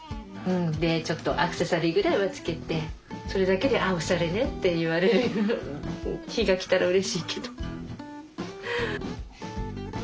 でちょっとアクセサリーぐらいは着けてそれだけで「あおしゃれね」って言われる日が来たらうれしいけど。